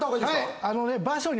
あのね。